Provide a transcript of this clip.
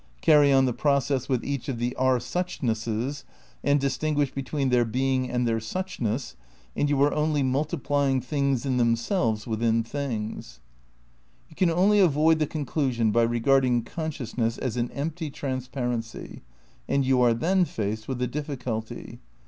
Carry on the process with 42 THE NEW IDEALISM . n each of the are suchnesses, and distinguish between their being and their suohness, and you are only mul tiplying things in themselves within things. You can only avoid the conclusion by regarding con sciousness as an empty transparency; and you are then faced with a difficulty.